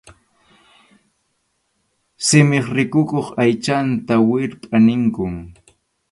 Simip rikukuq aychanta wirpʼa ninkum.